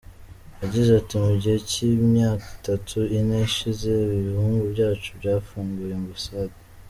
Yagize ati “Mu gihe cy’imyaka itatu, ine ishize ibihugu byacu byafunguye Ambasade.